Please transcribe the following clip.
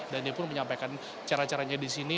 dan dia pun menyampaikan cara caranya di sini